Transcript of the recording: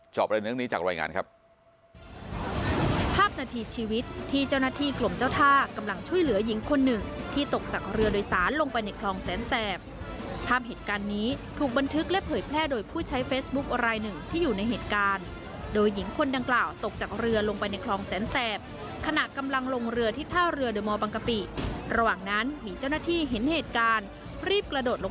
เรื่องนี้จากรายงานครับ